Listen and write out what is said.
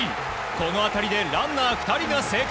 この当たりでランナー２人が生還。